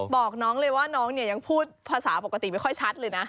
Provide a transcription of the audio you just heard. บอกน้องเลยว่าน้องเนี่ยยังพูดภาษาปกติไม่ค่อยชัดเลยนะ